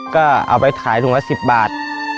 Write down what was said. ก็เอาไปขายถุงประสิทธิ์๑๐บาท